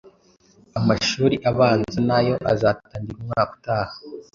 Amashuri abanza nayo azatangira umwaka utaha